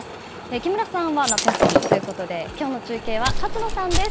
木村さんは夏休みということで今日の中継は勝野さんです。